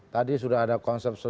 tadi sudah ada konsep